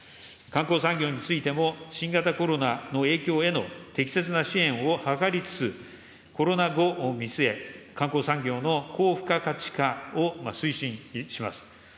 観光産業についても、新型コロナの影響への適切な支援を図りつつ、コロナ後を見据え、観光産業の高付加価値化を推進します。